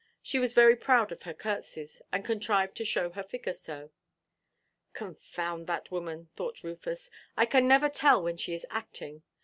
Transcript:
She was very proud of her curtseys; she contrived to show her figure so. "Confound that woman," thought Rufus, "I can never tell when she is acting.